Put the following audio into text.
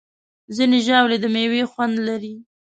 ځینې ژاولې د میوې خوند لري.